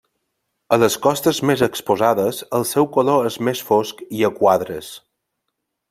A les costes més exposades, el seu color és més fosc i a quadres.